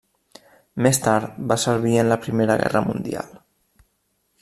Més tard va servir en la Primera Guerra Mundial.